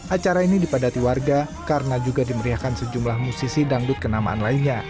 acara ini dipadati warga karena juga dimeriahkan sejumlah musisi dangdut kenamaan lainnya